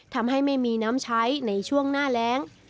ทำให้ไม่มีน้ำใช้ในช่วงหน้าแรง